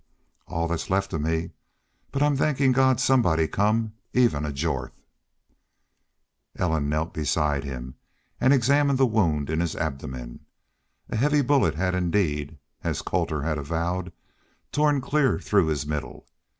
"All thet's left of me. But I'm thankin' God somebody come even a Jorth." Ellen knelt beside him and examined the wound in his abdomen. A heavy bullet had indeed, as Colter had avowed, torn clear through his middle.